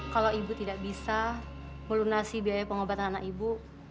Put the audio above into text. kalau ibu tidak bisa melunasi biaya pengobatan anak ibu